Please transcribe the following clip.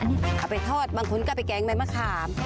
อันเนี่ยไปทอดมังคุ้นกับไปแก๊งไม้มะขาม